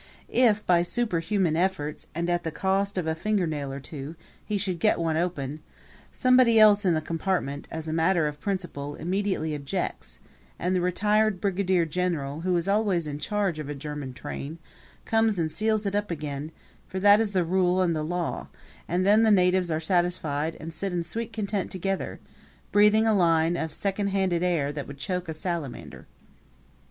If, by superhuman efforts and at the cost of a fingernail or two, he should get one open, somebody else in the compartment as a matter of principle, immediately objects; and the retired brigadier general, who is always in charge of a German train, comes and seals it up again, for that is the rule and the law; and then the natives are satisfied and sit in sweet content together, breathing a line of second handed air that would choke a salamander.